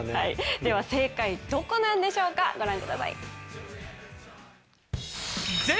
では正解、どこなんでしょうか、御覧ください。